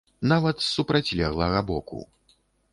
Нават з супрацьлеглага боку.